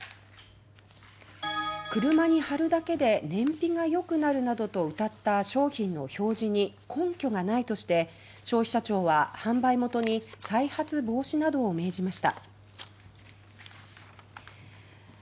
「車に貼るだけで燃費がよくなる」などとうたった商品の表示に根拠がないとして消費者庁は販売元に再発防止などを命じました。